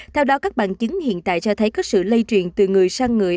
theo đó các bằng chứng hiện tại cho thấy có sự lây truyền từ người sang người